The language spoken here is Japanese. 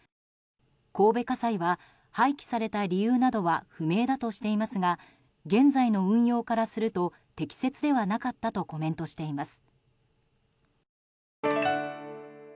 神戸家裁は廃棄された理由などは不明だとしていますが現在の運用からすると適切ではなかったとコメントしています。